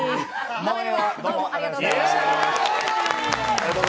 もうええわ、どうもありがとうございました。